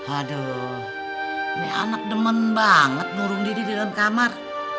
aduh nih anak demen banget ngurung didi di dalam kamar